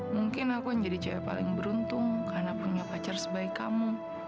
mungkin aku yang jadi cewek paling beruntung karena punya pacar sebaik kamu